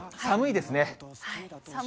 寒いです。